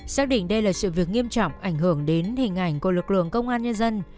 xác định đây là sự việc nghiêm trọng ảnh hưởng đến hình ảnh của lực lượng công an nhân dân